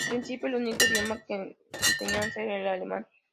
Al principio, el único idioma de enseñanza era el alemán.